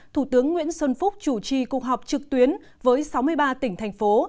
thủ tướng nguyễn xuân phúc chủ trì cuộc họp trực tuyến với sáu mươi ba tỉnh thành phố